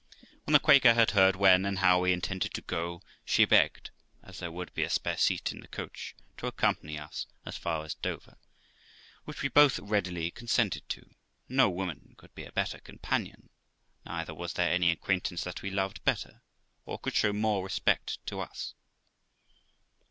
When the Quaker had heard when and how we intended to go, she begged, as there would be a spare seat in the coach, to accompany us as far as Dover, which we both readily consented to; no woman could be a better companion, neither was there any acquaintance that we loved better, or could show more respect to us.